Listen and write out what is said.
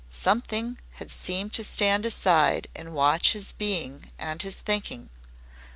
Something had seemed to stand aside and watch his being and his thinking.